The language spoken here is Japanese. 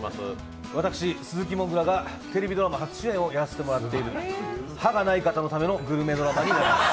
私、鈴木もぐらがテレビドラマ初出演をやらせてもらっている歯がない方のためのグルメドラマになります。